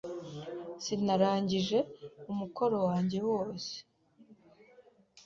Sinarangije umukoro wanjye wose.